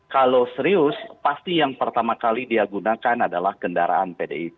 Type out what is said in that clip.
kalau serius pasti yang pertama kali dia gunakan adalah kendaraan pdip